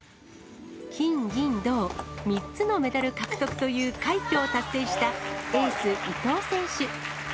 金銀銅３つのメダル獲得という快挙を達成したエース、伊藤選手。